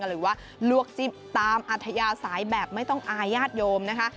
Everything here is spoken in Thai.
หรือว่าลวกจิ้มตามอัธยาสายแบบไม่ต้องอาญาติโยมนะคะ